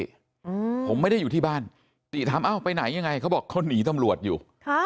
อืมผมไม่ได้อยู่ที่บ้านติถามเอ้าไปไหนยังไงเขาบอกเขาหนีตำรวจอยู่ค่ะ